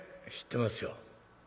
「知ってますよ。